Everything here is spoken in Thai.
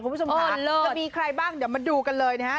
คุณผู้ชมค่ะจะมีใครบ้างเดี๋ยวมาดูกันเลยนะฮะ